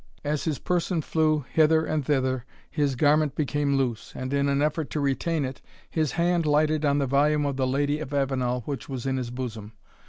As his person flew hither and thither, his garment became loose, and in an effort to retain it, his hand lighted on the volume of the Lady of Avenel which was in his bosom.